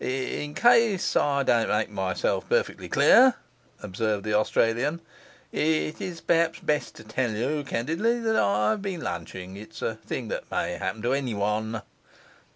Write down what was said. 'In case I don't make myself perfectly clear,' observed the Australian, 'it's perhaps best to tell you candidly that I've been lunching. It's a thing that may happen to any one.